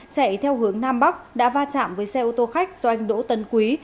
chạy theo hướng nam bắc đã va chạm với xe ô tô khách do anh đỗ tấn quý